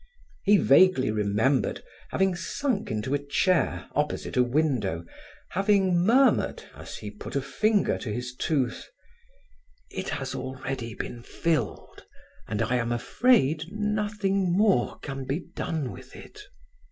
He vaguely remembered having sunk into a chair opposite a window, having murmured, as he put a finger to his tooth: "It has already been filled and I am afraid nothing more can be done with it."